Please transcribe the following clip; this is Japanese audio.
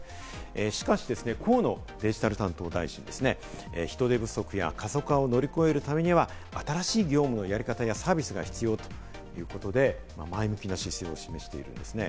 しかしですね、河野デジタル担当大臣ですね、人手不足や過疎化を乗り越えるためには、新しい業務のやり方やサービスが必要ということで、前向きな姿勢を示しているんですね。